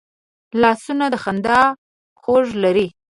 لاسونه د خندا خواږه لري